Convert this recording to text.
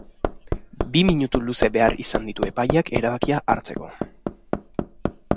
Bi minutu luze behar izan ditu epaileak erabakia hartzeko.